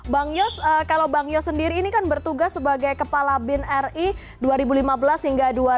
bang yos kalau bang yos sendiri ini kan bertugas sebagai kepala bin ri dua ribu lima belas hingga dua ribu sembilan belas